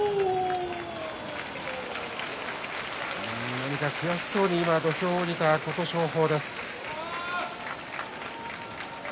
何か悔しそうに土俵を見た琴勝峰です。